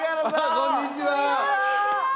こんにちは！